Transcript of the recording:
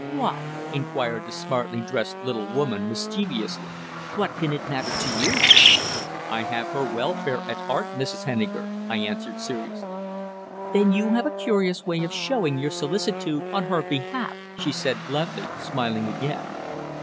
"Why?" inquired the smartly dressed little woman, mischievously. "What can it matter to you?" "I have her welfare at heart, Mrs. Henniker," I answered seriously. "Then you have a curious way of showing your solicitude on her behalf," she said bluntly, smiling again.